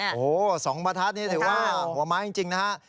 โอ้โห๒ประทัดนี่ถือว่าหัวไม้จริงนะฮะ